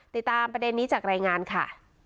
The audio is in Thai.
ติดตามประเด็นนี้จากรายงานค่ะ